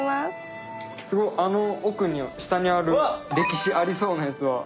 あの奥に下にある歴史ありそうなやつは？